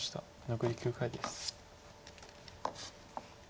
残り９回です。